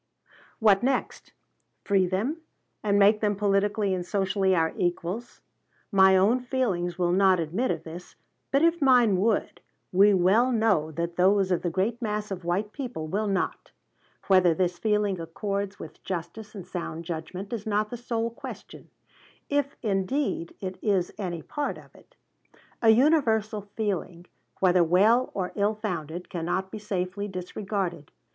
What next? Free them, and make them politically and socially our equals? My own feelings will not admit of this; and if mine would, we well know that those of the great mass of white people will not. Whether this feeling accords with justice and sound judgment is not the sole question, if indeed it is any part of it. A universal feeling, whether well or ill founded, cannot be safely disregarded.